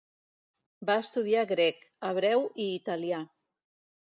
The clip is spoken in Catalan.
Va estudiar grec, hebreu i italià.